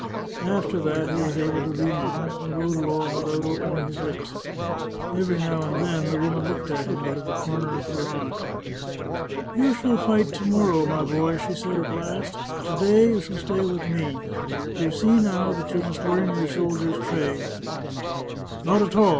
After that he was able to remount, and rode along without opening his lips. Every now and then the woman looked at him out of the corner of her eye. " You shall fight to morrow, my boy," she said at last. " To day you shall stay with me. You see now that you must learn your soldier's trade." " Not at all.